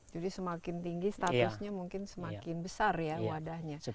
jadi semakin tinggi statusnya mungkin semakin besar ya wadahnya